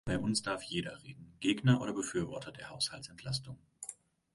Bei uns darf jeder reden, Gegner oder Befürworter der Haushaltsentlastung.